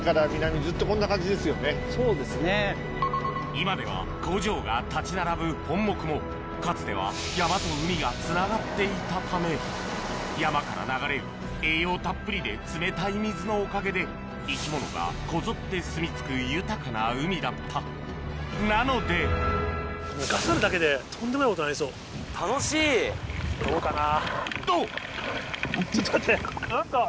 今では工場が立ち並ぶ本牧もかつては山と海がつながっていたため山から流れる栄養たっぷりで冷たい水のおかげで生き物がこぞってすみ着く豊かな海だったなので・どうかな？